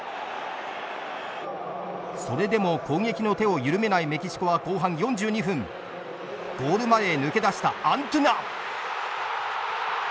それでも攻撃の手を緩めないメキシコは後半４２分ゴール前へ抜け出したアントゥナ。